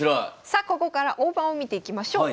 さあここから大盤を見ていきましょう。